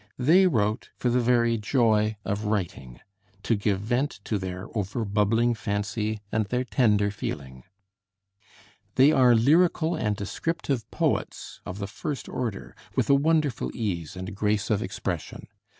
They wrote for the very joy of writing, to give vent to their over bubbling fancy and their tender feeling. They are lyrical and descriptive poets of the first order, with a wonderful ease and grace of expression.